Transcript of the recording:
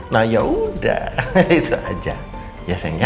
nah yaudah itu aja ya sayang ya